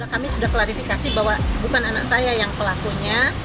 kami sudah klarifikasi bahwa bukan anak saya yang pelakunya